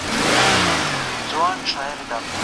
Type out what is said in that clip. زه خو یې سل ځله بللی تر درشله یمه